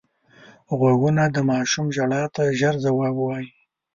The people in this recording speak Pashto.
غوږونه د ماشوم ژړا ته ژر ځواب وايي